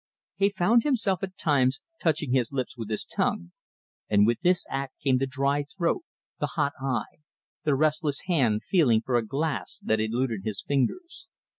He found himself at times touching his lips with his tongue, and with this act came the dry throat, the hot eye, the restless hand feeling for a glass that eluded his fingers.